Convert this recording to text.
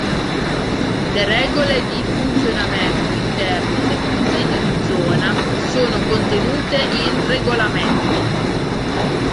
Le regole di funzionamento interno del Consiglio di zona sono contenute in regolamenti.